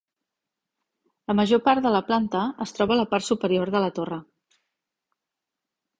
La major part de la planta es troba a la part superior de la torre.